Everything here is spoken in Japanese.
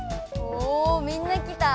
おみんな来た！